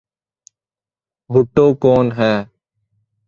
بھٹو کون ہیں؟